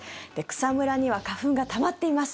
草むらには花粉がたまってます。